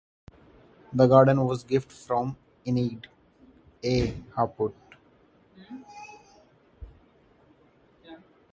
The garden was gift from Enid A. Haupt.